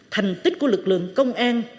thành tích của lực lượng công an